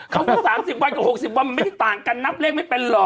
เขาพูดสามสิบวันกับหกสิบวันมันไม่ได้ต่างกันนับเลขไม่เป็นเหรอ